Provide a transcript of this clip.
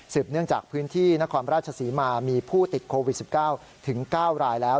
เนื่องจากพื้นที่นครราชศรีมามีผู้ติดโควิด๑๙ถึง๙รายแล้ว